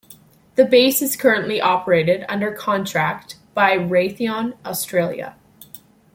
The base is currently operated under contract by Raytheon Australia.